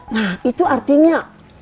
nah itu artinya